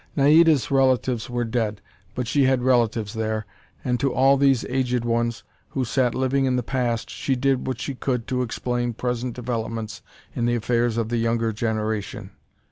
Naida's relatives were dead, but she had relatives there, and to all these aged ones, who sat living in the past, she did what she could to explain present developments in the affairs of the younger generation.